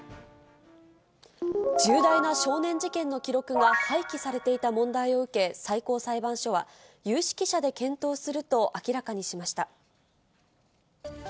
重大な少年事件の記録が廃棄されていた問題を受け、最高裁判所は、有識者で検討すると明らかにしました。